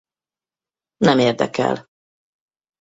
Nem érdekel.